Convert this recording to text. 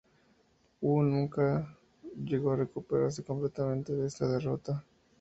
Wu nunca llegó a recuperarse completamente de esta derrota.